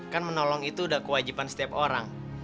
kan menolong itu udah kewajiban setiap orang